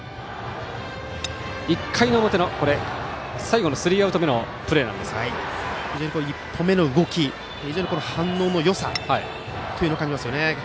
１回表の最後のスリーアウト目のプレーですが非常に１歩目の動きに反応のよさを感じましたね。